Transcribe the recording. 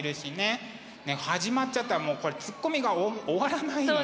始まっちゃったらもうこれつっこみが終わらないのね。